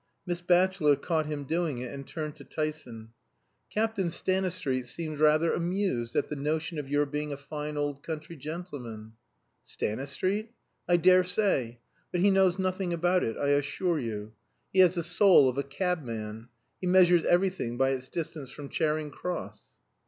Miss Batchelor caught him doing it and turned to Tyson. "Captain Stanistreet seemed rather amused at the notion of your being a fine old country gentleman." "Stanistreet? I daresay. But he knows nothing about it, I assure you. He has the soul of a cabman. He measures everything by its distance from Charing Cross."